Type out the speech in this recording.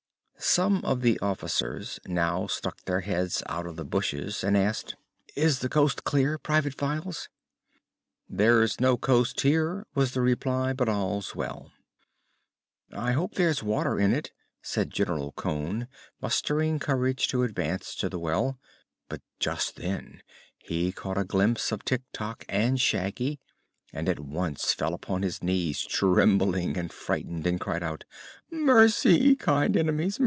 Some of the officers now stuck their heads out of the bushes and asked: "Is the coast clear, Private Files?" "There is no coast here," was the reply, "but all's well." "I hope there's water in it," said General Cone, mustering courage to advance to the well; but just then he caught a glimpse of Tik Tok and Shaggy and at once fell upon his knees, trembling and frightened and cried out: "Mercy, kind enemies!